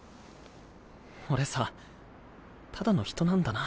俺さただの人なんだな。